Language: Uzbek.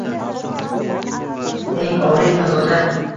Eng oliy fazoda